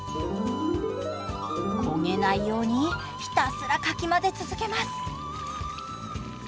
焦げないようにひたすらかき混ぜ続けます。